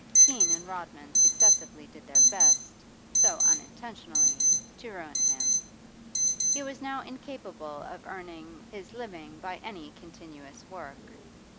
Keene and Rodman successively did their best, though unintentionally, to ruin him. He was now incapable of earning his living by any continuous work.